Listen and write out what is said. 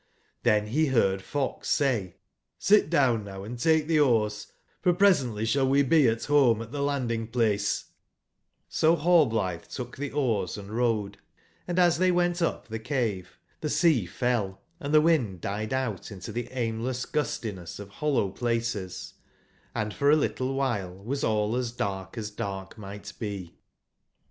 Then he heard fox say :'' Sit down now<Si tahc the oars, for presently shall we be at home at the landing place *'^ So Rallblithe tooh the oars and rowed, and as they went up the cave the sea fell, and the wind died out into the aimless gustiness of hollow places; & for a little while was all as dark as dark might be.